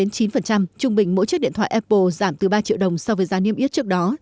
trung bình mỗi chiếc điện thoại apple giảm từ ba triệu đồng so với giá niêm yết trước đó